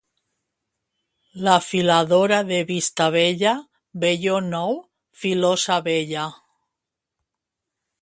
La filadora de Vistabella, velló nou, filosa vella.